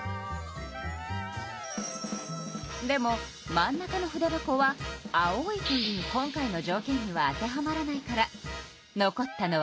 でも真ん中の筆箱は「青い」という今回のじょうけんには当てはまらないから残ったのは２つ。